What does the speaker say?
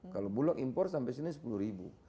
kalau bulog impor sampai sini rp sepuluh